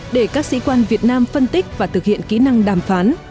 để các sĩ quan việt nam phân tích và thực hiện kỹ năng đàm phán